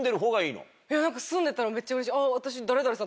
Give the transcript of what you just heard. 住んでたらめっちゃうれしい私。